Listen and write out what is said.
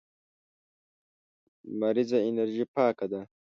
لمريزه انرژي پاکه ده.